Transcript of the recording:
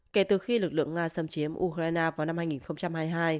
kể từ khi lực lượng nga xâm chiếm ukraine vào năm hai nghìn hai mươi hai